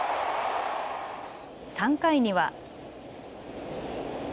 ３回には。